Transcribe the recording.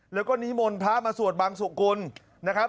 แล้วก็นิมนต์พระมาสวดบังสุกุลนะครับ